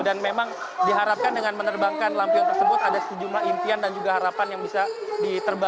dan memang diharapkan dengan menerbangkan lampion tersebut ada sejumlah impian dan juga harapan yang bisa diterbangkan